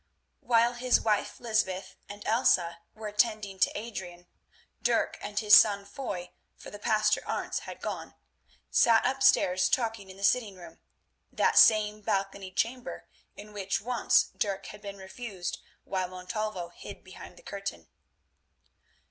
While his wife Lysbeth and Elsa were attending to Adrian, Dirk and his son, Foy, for the Pastor Arentz had gone, sat upstairs talking in the sitting room, that same balconied chamber in which once Dirk had been refused while Montalvo hid behind the curtain.